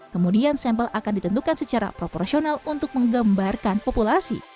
kemudian sampel akan ditentukan secara proporsional untuk menggambarkan populasi